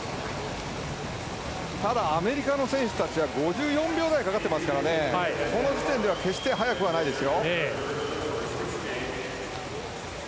ただ、アメリカの選手たちは５４秒台がかかってますからこの時点では決して速くはないですよ。